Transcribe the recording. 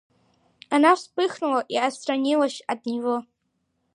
Она вспыхнула и отстранилась от него.